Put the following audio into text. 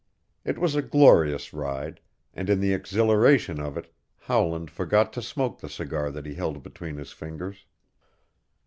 It was a glorious ride, and in the exhilaration of it Howland forgot to smoke the cigar that he held between his fingers.